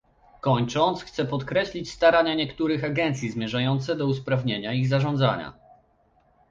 Kończąc, chcę podkreślić starania niektórych agencji zmierzające do usprawnienia ich zarządzania